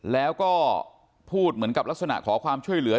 แล้วก็พูดเหมือนกับลักษณะขอความช่วยเหลือ